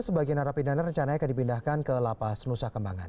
sebagian narapidana rencananya akan dipindahkan ke lapas nusa kembangan